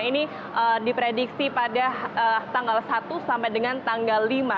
ini diprediksi pada tanggal satu sampai dengan tanggal lima